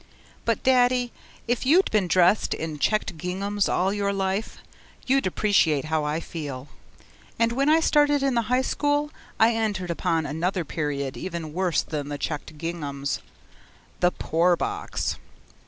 But, Daddy, if you'd been dressed in checked ginghams all your life, you'd appreciate how I feel. And when I started to the high school, I entered upon another period even worse than the checked ginghams. The poor box.